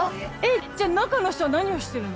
じゃあ中の人は何をしてるの？